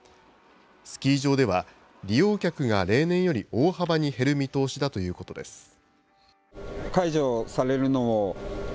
スキー場では利用客が例年より大幅に減る見通しだということです。